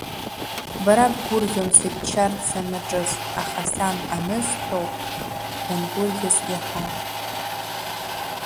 Бара бгәрӷьон, сыччарц санаҿыз, аха сан анысҳәоуп, бангәырӷьаз иаҳа!